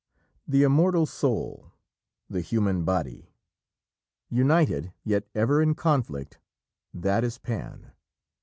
The immortal soul the human body united, yet ever in conflict that is Pan.